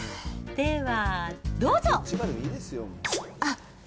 では、どうぞ。